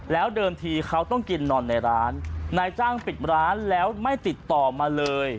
แล้วเดิมทีเขาต้องกินนอนในร้านนายจ้างปิดร้านแล้วไม่ติดต่อมาเลย